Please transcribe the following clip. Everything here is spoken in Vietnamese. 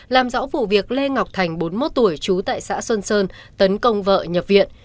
làm rõ vụ việc lê ngọc thành bốn mươi một tuổi trú tại xã xuân sơn tấn công vợ nhập viện